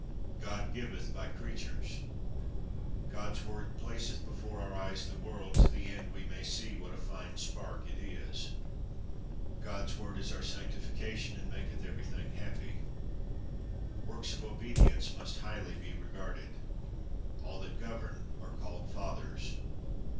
God giveth by creatures. God's Word placeth before our eyes the world, to the end we may see what a fine spark it is. God's Word is our sanctification, and maketh everything happy. Works of obedience must highly be regarded. All that govern are called Fathers.